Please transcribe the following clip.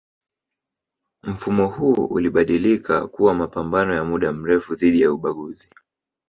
mfumo huu ulibadilika kuwa mapambano ya muda mrefu dhidi ya ubaguzi